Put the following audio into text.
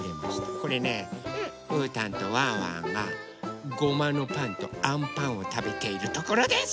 これねうーたんとワンワンがごまのパンとあんパンをたべているところです！